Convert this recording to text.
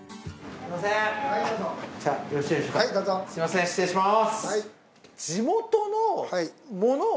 すみません失礼します。